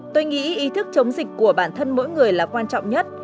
tôi nghĩ ý thức chống dịch của bản thân mỗi người là quan trọng nhất